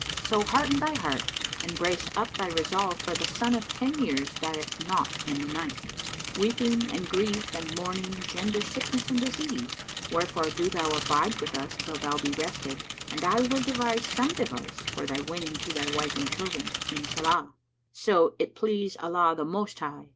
"[FN#104] So hearten thy heart and brace up thy resolve, for the son of ten years dieth not in the ninth.[FN#105] Weeping and grief and mourning gender sickness and disease; wherefore do thou abide with us till thou be rested, and I will devise some device for thy winning to thy wife and children, Inshallah—so it please Allah the Most High!"